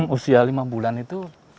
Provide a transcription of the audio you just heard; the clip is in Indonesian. usia lima bulan itu